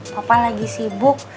papa lagi sibuk